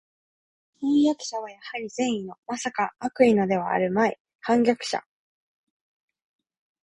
飜訳者はやはり善意の（まさか悪意のではあるまい）叛逆者